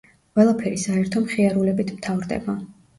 ყველაფერი საერთო მხიარულებით მთავრდება.